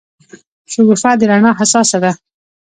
شګوفه د رڼا حساسه ده.